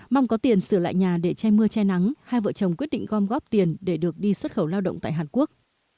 mong có tiền sửa lại nhà để che mưa che nắng hai vợ chồng quyết định gom góp tiền để được đi xuất khẩu lao động tại hàn quốc